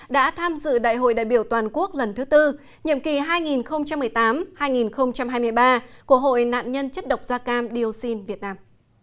đã tham dự đại hội đại biểu toàn quốc lần thứ tư nhiệm kỳ hai nghìn một mươi tám hai nghìn hai mươi ba của hội nạn nhân chất độc da cam dioxin việt nam